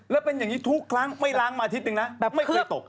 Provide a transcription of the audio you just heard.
แล้วเป็นอย่างนี้ทุกครั้งไม่ล้างมาอาทิตย์หนึ่งนะแบบไม่เคยตก